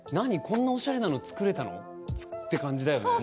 こんなオシャレなの作れたの？って感じだよね